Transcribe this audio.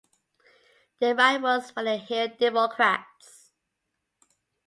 Their rivals were the Hill Democrats.